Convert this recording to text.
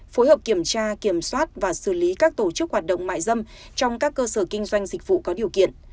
phối hợp kiểm tra kiểm soát và xử lý các tổ chức hoạt động mại dâm trong các cơ sở kinh doanh dịch vụ có điều kiện